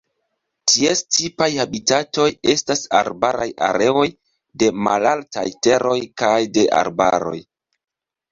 Ties tipaj habitatoj estas arbaraj areoj de malaltaj teroj kaj de arbaroj.